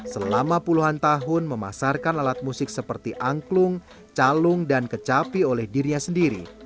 selama puluhan tahun memasarkan alat musik seperti angklung calung dan kecapi oleh dirinya sendiri